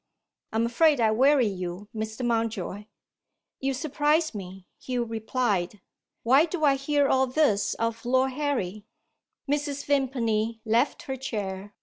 I am afraid I weary you, Mr. Mountjoy?" "You surprise me," Hugh replied. "Why do I hear all this of Lord Harry?" Mrs. Vimpany left her chair.